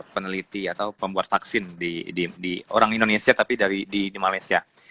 peneliti atau pembuat vaksin di orang indonesia tapi di malaysia